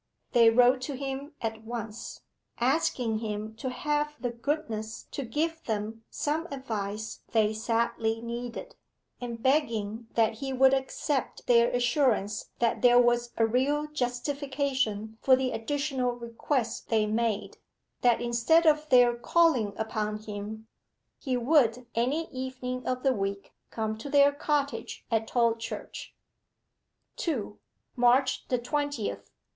They wrote to him at once, asking him to have the goodness to give them some advice they sadly needed, and begging that he would accept their assurance that there was a real justification for the additional request they made that instead of their calling upon him, he would any evening of the week come to their cottage at Tolchurch. 2. MARCH THE TWENTIETH.